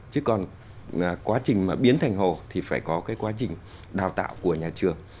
chứ còn quá trình mà biến thành hồ thì phải có cái quá trình đào tạo của nhà trường